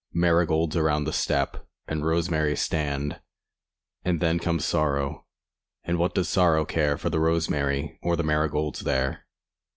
Marigolds around the step And rosemary stand, And then comes Sorrow And what does Sorrow care For the rosemary Or the marigolds there?